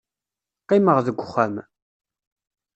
Qqimeɣ deg uxxam.